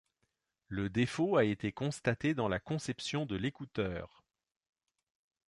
Le défaut a été constaté dans la conception de l'écouteur.